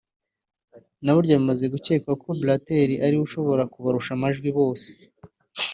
na buryo bimaze gukekwa ko Blatter ari we ashobora kubarusha amajwi bose